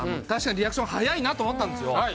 確かにリアクション早いなと思ったんですよ